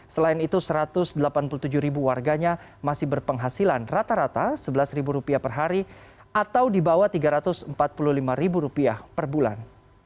selain itu satu ratus delapan puluh tujuh ribu warganya masih berpenghasilan rata rata rp sebelas per hari atau di bawah rp tiga ratus empat puluh lima per bulan